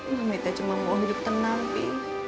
mami teh cuma mau hidup tenang pi